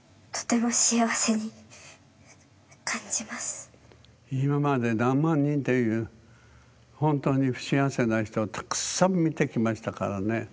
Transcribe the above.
ほんとに今まで何万人という本当に不幸せな人をたくさん見てきましたからね。